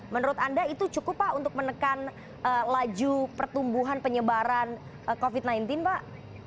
menurut anda itu cukup pak untuk menekan laju pertumbuhan penyebaran covid sembilan belas pak